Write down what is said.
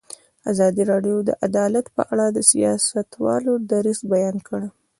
ازادي راډیو د عدالت په اړه د سیاستوالو دریځ بیان کړی.